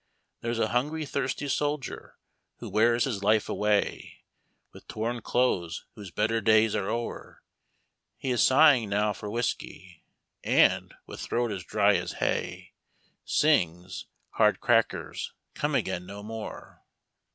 There's a hungry, thirsty soldier Who wears his life away, With torn clothes, whose better days are o'er ; He is sighing now for whiskey, And, with throat as dry as hay, Sings, " Hard crackers, come again no more!"